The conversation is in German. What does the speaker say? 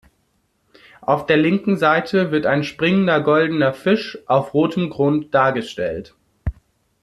Auf der linken Seite wird ein springender goldener Fisch auf rotem Grund dargestellt.